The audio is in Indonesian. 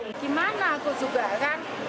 gimana aku juga kan